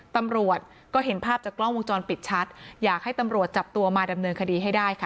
ตำรวจก็เห็นภาพจากกล้องวงจรปิดชัดอยากให้ตำรวจจับตัวมาดำเนินคดีให้ได้ค่ะ